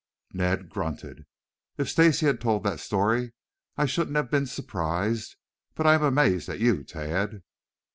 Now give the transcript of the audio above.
Ned grunted. "If Stacy had told that story I shouldn't have been surprised, but I am amazed at you, Tad."